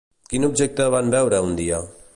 Quin objecte van veure un dia?